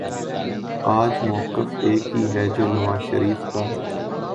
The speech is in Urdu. آج مؤقف ایک ہی ہے جو نواز شریف کا ہے